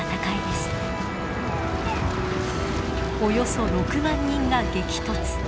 およそ６万人が激突。